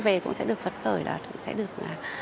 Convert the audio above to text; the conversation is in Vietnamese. về cũng sẽ được phấn khởi là sẽ được